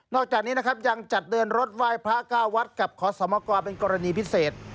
อกจากนี้นะครับยังจัดเดินรถไหว้พระเก้าวัดกับขอสมกรเป็นกรณีพิเศษ